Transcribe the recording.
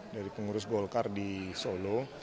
dari pengurus golkar di solo